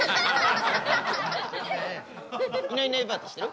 いないいないばあって知ってる？